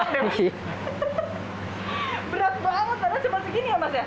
berat banget padahal sebelah segini ya mas ya